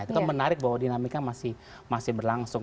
itu kan menarik bahwa dinamika masih berlangsung